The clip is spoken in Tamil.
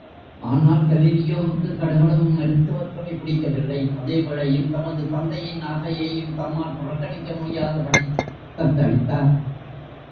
ஆனால், கலீலியோவுக்கு கடுகளவும் மருத்துவத்துறை பிடிக்கவில்லை அதே வேளையில் தமது தந்தையின் ஆசையையும் தம்மால் புறக்கணிக்க முடியாதபடித் தத்தளித்தார்!